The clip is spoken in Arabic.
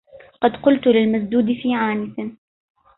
قد قلت للمسدود في عانس